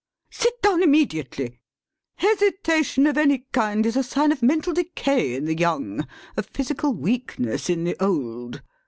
Sit down immediately. Hesitation of any kind is a sign of mental decay in the young, of physical weakness in the old.